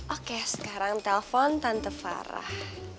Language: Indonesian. oke sekarang telpon tante farah